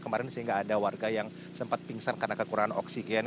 kemarin sehingga ada warga yang sempat pingsan karena kekurangan oksigen